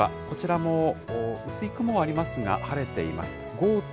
こちらも薄い雲はありますが、晴れています。